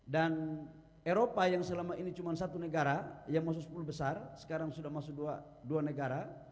dan eropa yang selama ini cuma satu negara yang masuk sepuluh besar sekarang sudah masuk dua negara